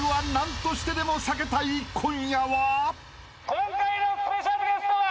今回のスペシャルゲストは。